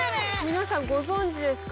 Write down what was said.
皆さんご存じですか？